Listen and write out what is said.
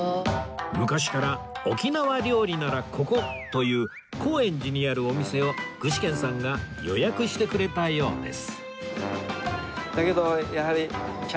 昔から沖縄料理ならここという高円寺にあるお店を具志堅さんが予約してくれたようです